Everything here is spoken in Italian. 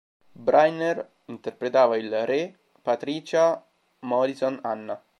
Brynner interpretava il Re, Patricia Morison Anna.